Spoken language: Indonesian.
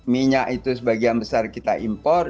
minyak itu sebagian besar kita impor